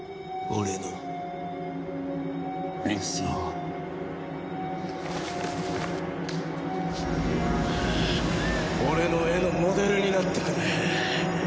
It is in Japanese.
俺の絵のモデルになってくれ。